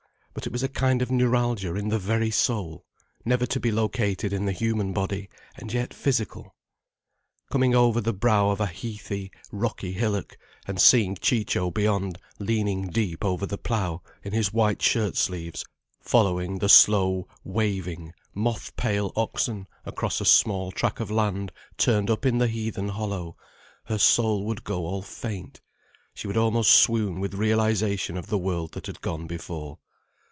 But it was a kind of neuralgia in the very soul, never to be located in the human body, and yet physical. Coming over the brow of a heathy, rocky hillock, and seeing Ciccio beyond leaning deep over the plough, in his white shirt sleeves following the slow, waving, moth pale oxen across a small track of land turned up in the heathen hollow, her soul would go all faint, she would almost swoon with realization of the world that had gone before.